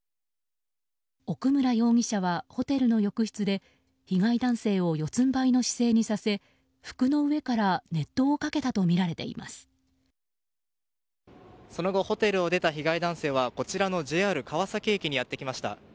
奥村容疑者はホテルの浴室で被害男性を四つんばいの姿勢にさせ服の上から熱湯をかけたとその後、ホテルを出た被害男性はこちらのＪＲ川崎駅にやってきました。